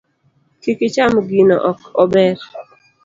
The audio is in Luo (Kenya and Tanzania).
Kik icham gino, ok ober.